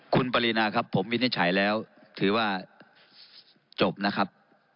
คุณปรินาครับผมวินิจฉัยแล้วถือว่าจบนะครับ